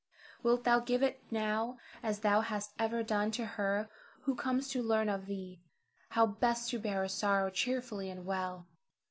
Wilt thou give it now as thou hast ever done to her who comes to learn of thee how best to bear a sorrow cheerfully and well?